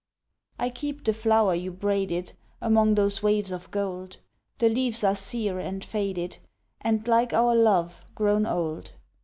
I keep the flower you braided Among those waves of gold, The leaves are sere and faded, And like our love grown old.